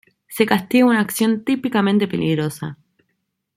Se castiga una acción típicamente peligrosa.